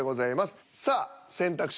さあ選択肢